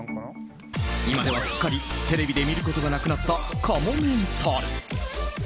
今ではすっかりテレビで見ることがなくなったかもめんたる。